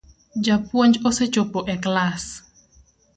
Japuonj osechopo e klass